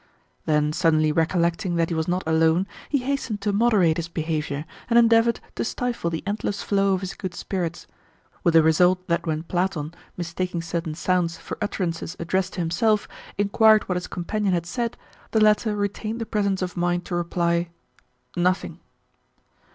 Then suddenly recollecting that he was not alone, he hastened to moderate his behaviour and endeavoured to stifle the endless flow of his good spirits; with the result that when Platon, mistaking certain sounds for utterances addressed to himself, inquired what his companion had said, the latter retained the presence of mind to reply "Nothing."